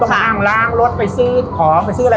อ้างล้างรถไปซื้อของไปซื้ออะไร